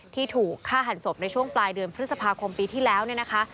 ที่ถูกฆ่าหันศพในช่วงปลายเดือนพฤษภาคมปีที่แล้วเนี่ยนะคะ